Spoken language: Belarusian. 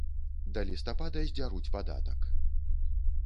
Да лістапада здзяруць падатак.